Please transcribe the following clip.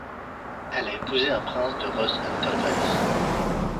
Elle a épousé un prince de Reuss-Untergreiz.